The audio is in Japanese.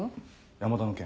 山田の件。